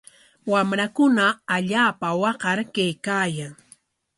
Wamrakuna allaapa waqar kaykaayan.